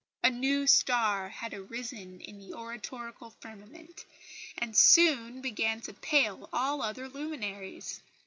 A new star had arisen in the oratorical firmament, and soon began to pale all other luminaries.